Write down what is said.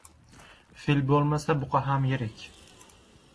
• Fil bo‘lmasa buqa ham yirik.